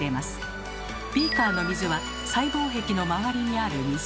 ビーカーの水は細胞壁の周りにある水。